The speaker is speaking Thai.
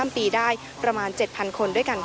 พาคุณผู้ชมไปติดตามบรรยากาศกันที่วัดอรุณราชวรรมหาวิหารค่ะ